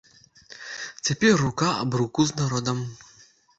Цяпер рука аб руку з народам!